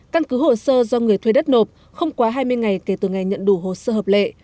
căn cứ hồ sơ do người thuê đất nộp không quá hai mươi ngày kể từ ngày nhận đủ hồ sơ hợp lệ